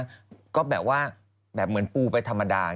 แล้วก็แบบว่าแบบเหมือนปูไปธรรมดา